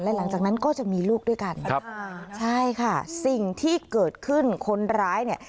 หลังจากนั้นก็จะมีลูกด้วยกันใช่ค่ะสิ่งที่เกิดขึ้นคนร้ายเนี่ย